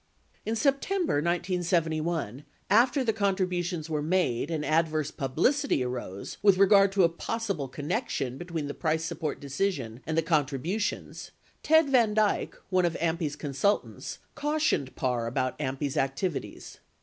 33 In September 1971, after the contributions were made and adverse publicity arose with regard to a possible connection between the price support decision and the contributions, Ted Van Dyk, one of AMPI's consultants, cautioned Parr about AMPI's activities.